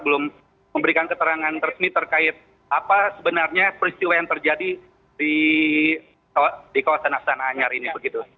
belum memberikan keterangan resmi terkait apa sebenarnya peristiwa yang terjadi di kawasan astana anyar ini begitu